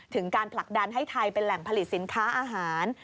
ถึงการผลักดันให้ไทยเป็นแหล่งผลิตสินค้าอาหาร